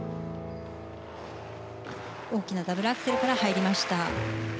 大きなダブルアクセルから入りました。